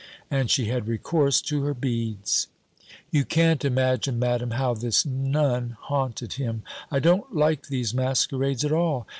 and she had recourse to her beads. You can't imagine, Madam, how this Nun haunted him! I don't like these masquerades at all.